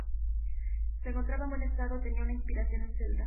Se encontraba en buen estado y tenía una inscripción en celta.